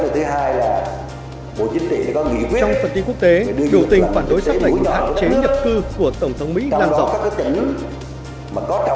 trong phần tin quốc tế đồ tình phản đối xác định hạn chế nhập cư của tổng thống mỹ làm rõ